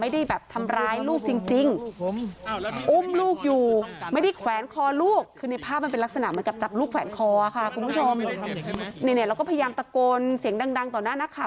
เราก็พยายามตะโกนเสียงดังต่อหน้านะคะ